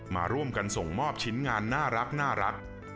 มาร่วมกันส่งมอบชิ้นงานน่ารัก